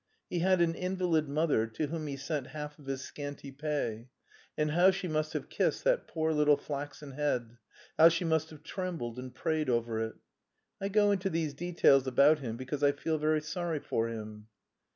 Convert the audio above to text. He had an invalid mother to whom he sent half of his scanty pay and how she must have kissed that poor little flaxen head, how she must have trembled and prayed over it! I go into these details about him because I feel very sorry for him.